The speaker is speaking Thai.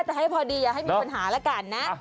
แต่ให้พอดีอย่าให้มีปัญหาแล้วกันนะ